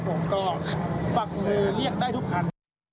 ผมก็ฝากเลือกได้ทุกท่าน